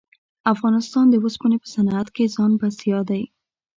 افغانستان د اوسپنې په صنعت کښې ځان بسیا دی.